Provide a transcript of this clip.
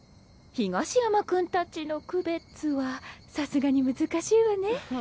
東山君達の区別はさすがに難しいわね。